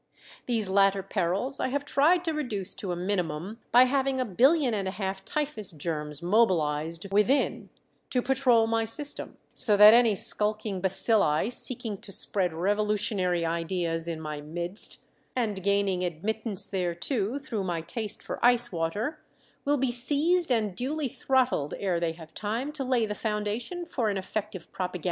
These latter perils I have tried to reduce to a minimum by having a billion and a half typhus germs mobilized within to patrol my system, so that any skulking bacilli seeking to spread revolutionary ideas in my midst, and gaining admittance thereto through my taste for ice water, will be seized and duly throttled ere they have time to lay the foundation for an effective propaganda.